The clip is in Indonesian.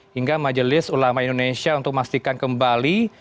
hingga majelis ulama indonesia untuk memastikan kembali